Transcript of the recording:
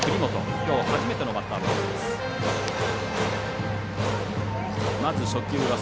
きょう初めてのバッターボックス。